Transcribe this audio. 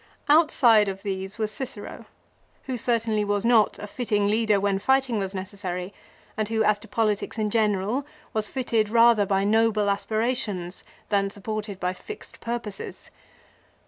Outside of these was Cicero, who certainly was not a fitting leader when fighting was necessary and who as to politics in general was fitted rather by noble aspirations than supported by fixed purposes.